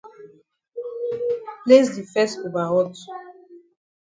Place di fes over hot.